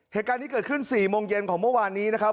เหตุการณ์นี้เกิดขึ้น๔โมงเย็นของเมื่อวานนี้นะครับ